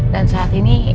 dan saat ini